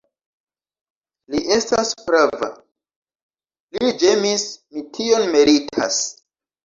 Li estas prava, li ĝemis; mi tion meritas.